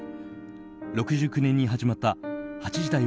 ６９年に始まった「８時だョ！